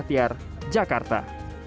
jogja tiar jakarta